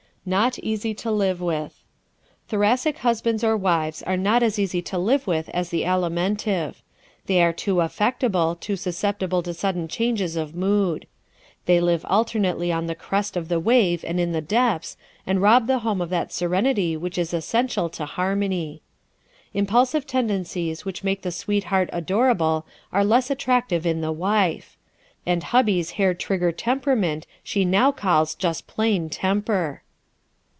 Not Easy to Live With ¶ Thoracic husbands or wives are not as easy to live with as the Alimentive. They are too affectable, too susceptible to sudden changes of mood. They live alternately on the crest of the wave and in the depths, and rob the home of that serenity which is essential to harmony. Impulsive tendencies which made the sweetheart adorable are less attractive in the wife. And hubby's hair trigger temperament she now calls just plain temper.